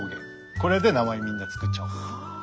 これで名前をみんな作っちゃおう。